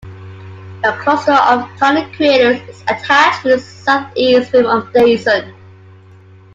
A cluster of tiny craters is attached to the southeast rim of Dyson.